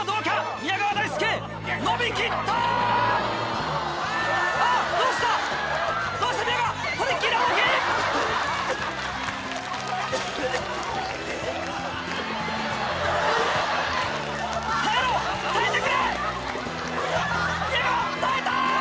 宮川耐えた！